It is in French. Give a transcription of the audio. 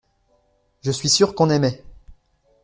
Je suis sûr qu’on aimait.